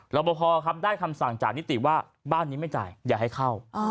บพอครับได้คำสั่งจากนิติว่าบ้านนี้ไม่จ่ายอย่าให้เข้า